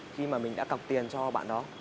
khi mà mình đã cọc tiền cho bạn đó